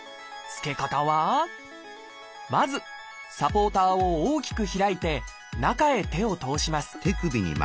つけ方はまずサポーターを大きく開いて中へ手を通します。